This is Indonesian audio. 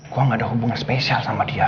gue gak ada hubungan spesial sama dia